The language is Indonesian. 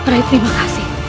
rai terima kasih